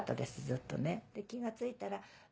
ずっとで気が付いたら。